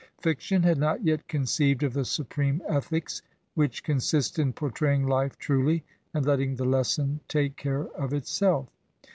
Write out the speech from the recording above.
Fiction had not yet conceived of the supreme ethics which con sist in portra3dng life truly and letting the lesson take care of itself.